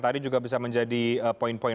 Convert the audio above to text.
tadi juga bisa menjadi poin poin